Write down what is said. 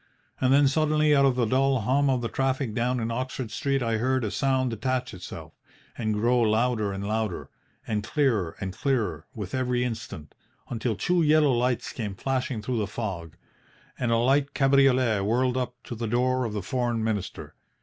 And then suddenly out of the dull hum of the traffic down in Oxford Street I heard a sound detach itself, and grow louder and louder, and clearer and clearer with every instant, until two yellow lights came flashing through the fog, and a light cabriolet whirled up to the door of the Foreign Minister.